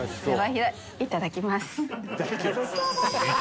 いただきます」